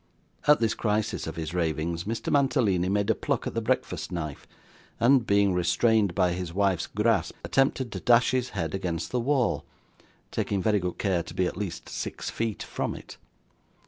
At this crisis of his ravings Mr. Mantalini made a pluck at the breakfast knife, and being restrained by his wife's grasp, attempted to dash his head against the wall taking very good care to be at least six feet from it.